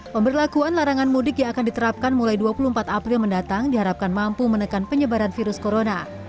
pemberlakuan larangan mudik yang akan diterapkan mulai dua puluh empat april mendatang diharapkan mampu menekan penyebaran virus corona